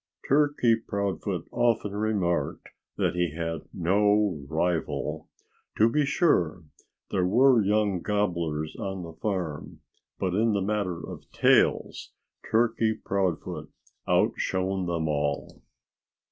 Turkey Proudfoot often remarked that he had no rival. To be sure, there were young gobblers on the farm. But in the matter of tails, Turkey Proudfoot outshone them all.